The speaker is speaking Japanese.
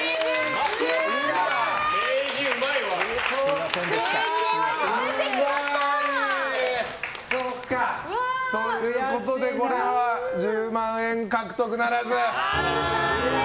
そうか悔しいな。ということでこれは１０万円獲得ならず。